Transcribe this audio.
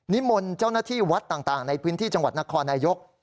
มนต์เจ้าหน้าที่วัดต่างในพื้นที่จังหวัดนครนายก